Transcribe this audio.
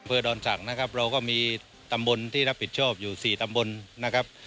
เพื่อดอนศักดิ์นะครับเราก็มีตำบลที่รับผิดชอบอยู่สี่ตำบลนะครับ